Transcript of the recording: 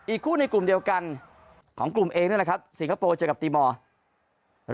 คู่ในกลุ่มเดียวกันของกลุ่มเองนั่นแหละครับสิงคโปร์เจอกับตีมอร์